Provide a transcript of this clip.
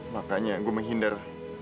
makanya gue menghindar